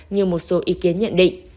như một số ý kiến nhận định